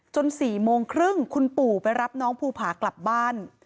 ๔โมงครึ่งคุณปู่ไปรับน้องภูผากลับบ้าน